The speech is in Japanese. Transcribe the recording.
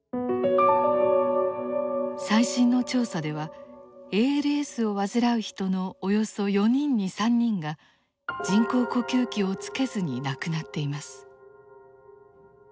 最新の調査ではＡＬＳを患う人のおよそ４人に３人が人工呼吸器をつけずに亡くなっています。